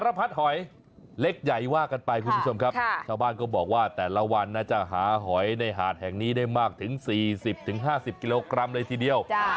พัดหอยเล็กใหญ่ว่ากันไปคุณผู้ชมครับชาวบ้านก็บอกว่าแต่ละวันน่าจะหาหอยในหาดแห่งนี้ได้มากถึง๔๐๕๐กิโลกรัมเลยทีเดียว